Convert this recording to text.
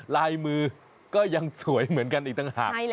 ลายมือก็ยังสวยเหมือนกันอีกต่างหาก